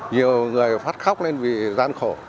nhiều người phát khóc lên vì gian khổ